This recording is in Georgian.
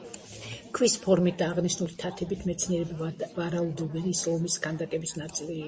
ქვის ფორმით და აღნიშნული თათებით მეცნიერები ვარაუდობენ რომ ის ლომის ქანდაკების ნაწილი იყო.